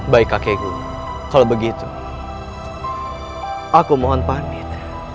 baik kakek guru kalau begitu aku mohon pamit